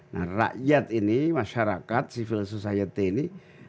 nah rakyat ini masyarakat civil society ini